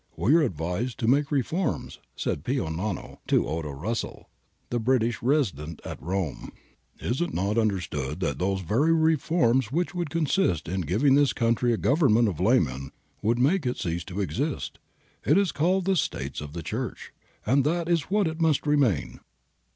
' We are advised to make reforms,' said Pio Nono (Pius IX) to Odo Russell, the British Resident at Rome; ' it is not understood that those very reforms, which would consist in giving this country a Government of laymen, would make it cease to exist. It is called the *' States of the Church " and that is what it must remain.'